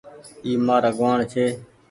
اي همآر آگوآڻ ڇي۔